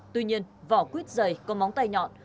tuy nhiên vỏ quyết giày con móng tay nhọn